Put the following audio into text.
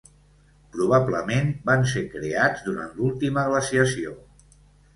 Probablement van ser creats durant l'última glaciació.